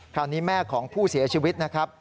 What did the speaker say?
คราวนี้แม่ของผู้เสียชีวิตนะครับ